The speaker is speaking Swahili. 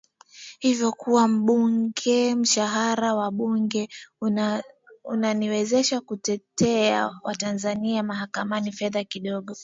hivyo kwa kuwa ni mbungeMshahara wa ubunge unaniwezesha kutetea Watanzania mahakamani Fedha kidogo